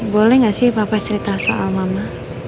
boleh gak sih papa cerita soal mama